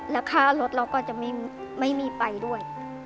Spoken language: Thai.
แล้วค่ารถเราก็จะไม่มีไปด้วย